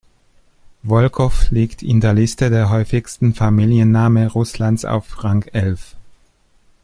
Wolkow liegt in der Liste der häufigsten Familienname Russlands auf Rang elf.